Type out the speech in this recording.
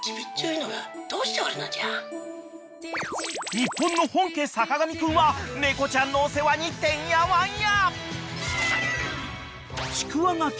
［日本の本家坂上くんは猫ちゃんのお世話にてんやわんや］